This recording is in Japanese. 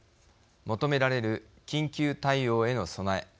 求められる緊急対応への備え。